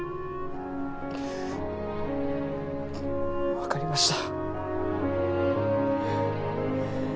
わかりました。